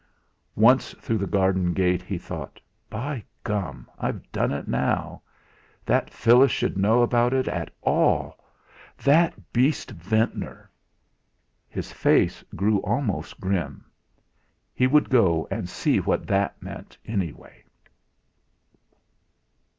Once through the garden gate, he thought: 'By gum! I've done it now. That Phyllis should know about it at all! That beast Ventnor!' His face grew almost grim. He would go and see what that meant anyway!